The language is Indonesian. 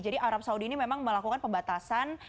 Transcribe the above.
jadi pemerintah saudi ini memang melakukan pembatasan